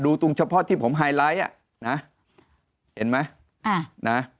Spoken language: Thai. ดูตรงเฉพาะที่ผมไฮไลท์อ่ะนะเห็นไหมอ่านะ